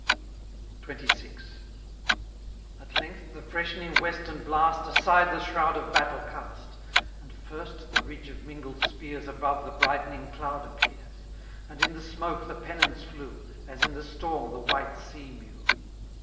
XXVI. At length the freshening western blast Aside the shroud of battle cast; And, first, the ridge of mingled spears Above the brightening cloud appears; 775 And in the smoke the pennons flew, As in the storm the white sea mew.